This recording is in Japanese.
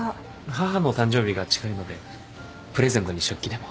母の誕生日が近いのでプレゼントに食器でも。